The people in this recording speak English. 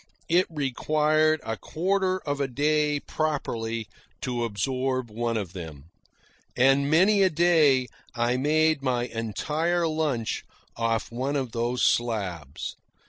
It required a quarter of a day properly to absorb one of them. And many a day I made my entire lunch off one of those slabs.